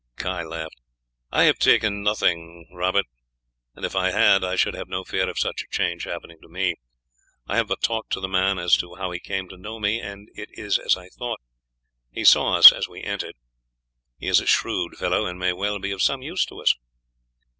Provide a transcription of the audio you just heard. Guy laughed. "I have taken nothing, Robert, and if I had I should have no fear of such a change happening to me. I have but talked to the man as to how he came to know me, and it is as I thought, he saw us as we entered. He is a shrewd fellow, and may well be of some use to us."